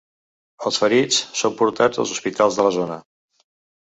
Els ferits són portats als hospitals de la zona.